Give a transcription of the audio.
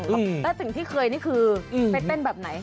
แล้วสิ่งที่เคยนี่คือไปเต้นแบบไหน